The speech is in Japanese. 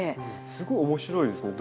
すごい面白いですね。